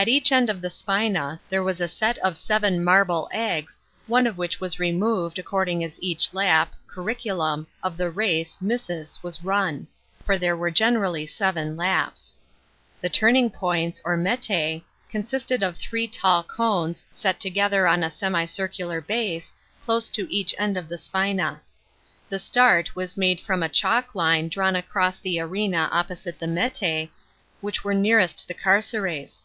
At ench end of the spina there was a set of seven marble eggs, one of which was removed, according as each lap (curriculum) of the race (missus) was run ;* Oradus or subsellia. 618 BOMAN LIFE AND MANNERS. CHAP. for there were generally seven laps. The turning points, or consisted ot three tall cones, set together ou a semicircular base, close to each end of the spinet. The start was made from a chalk line drawn across the arena opposite the metx, which were nnnrest the carceres.